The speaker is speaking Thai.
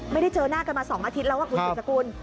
ไม่ได้เจอหน้ากันมา๒อาทิตย์แล้วคุณสุดสกุล